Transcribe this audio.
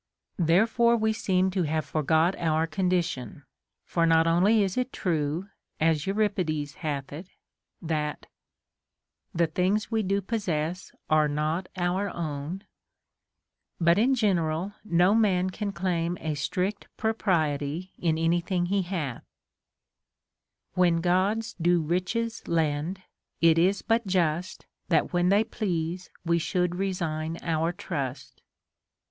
Therefore we seem to have forgot our condition ; for not only is it true, as Euripides hath it, that The things we do possess are not our own ;* but in general no man can claim a strict propriety in any thing he hath :— When Gods do riclies lend, it is but just Tliat wiien they please we should resign our trust.